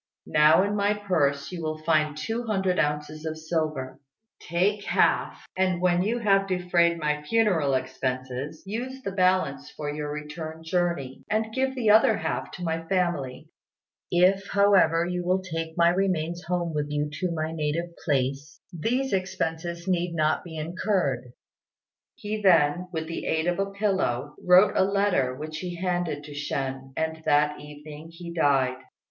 Now in my purse you will find two hundred ounces of silver. Take half, and when you have defrayed my funeral expenses, use the balance for your return journey; and give the other half to my family, that they may be able to send for my coffin. If, however, you will take my mortal remains with you home to my native place, these expenses need not be incurred." He then, with the aid of a pillow, wrote a letter, which he handed to Shên, and that evening he died.